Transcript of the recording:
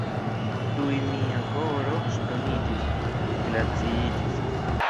Tuj mia koro ŝtoniĝis, glaciiĝis.